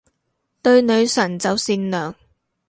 對女神就善良